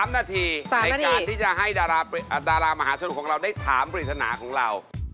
๓นาทีในการที่จะให้ดารามหาชนของเราได้ถามปริศนาของเรา